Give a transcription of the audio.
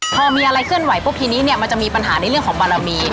พอมีอะไรเคลื่อนไหวปุ๊บทีนี้เนี่ยมันจะมีปัญหาในเรื่องของบารมี